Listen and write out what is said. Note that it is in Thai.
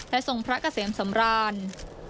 ทรงพระเกษมสำราญ